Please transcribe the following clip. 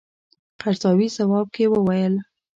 قرضاوي ځواب کې وویل.